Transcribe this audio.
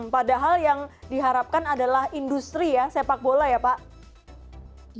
padahal yang diharapkan adalah industri ya sepak bola ya pak